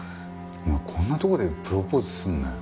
お前こんなとこでプロポーズすんなよ。